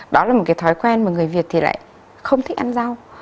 đó là một cái thói quen mà người việt thì lại không thích ăn rau